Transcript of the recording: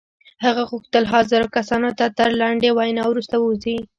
هغه غوښتل حاضرو کسانو ته تر لنډې وينا وروسته ووځي.